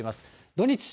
土日。